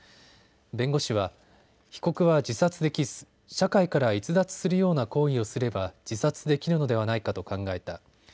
弁護士は被告は自殺できず社会から逸脱するような行為をすれば自殺できるのではないかと考えた。